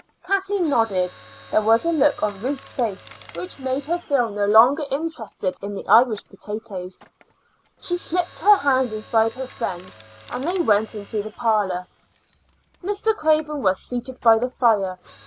Kathleen nodded. There was a look on Ruth's face which made her feel no longer interested in the Irish potatoes. She slipped her hand inside her friend's, and they went into the parlor. Mr. Craven was seated by the fire.